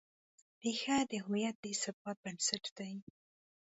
ریښه د هویت د ثبات بنسټ ده.